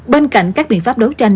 bên cạnh các biện pháp đấu tranh